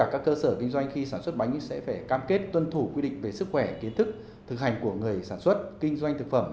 các cơ sở kinh doanh khi sản xuất bánh sẽ phải cam kết tuân thủ quy định về sức khỏe kiến thức thực hành của người sản xuất kinh doanh thực phẩm